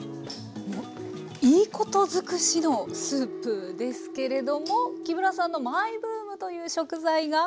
もういいこと尽くしのスープですけれども木村さんのマイブームという食材が？